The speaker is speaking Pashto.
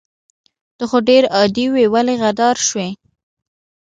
ته خو ډير عادي وي ولې غدار شوي